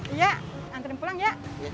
iya anterin pulang ya